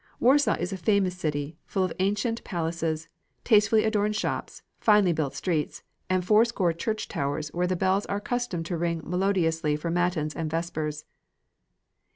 Warsaw is a famous city, full of ancient palaces, tastefully, adorned shops, finely built streets, and fourscore church towers where the bells are accustomed to ring melodiously for matins and vespers.